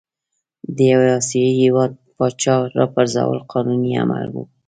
د یوه آسیايي هیواد پاچا را پرزول قانوني عمل وو.